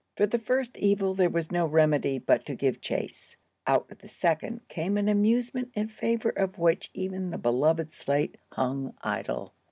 For the first evil there was no remedy but to give chase. Out of the second came an amusement in favor of which even the beloved slate hung idle.